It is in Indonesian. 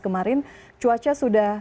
kemarin cuacanya sudah